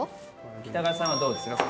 北川さんはどうですか？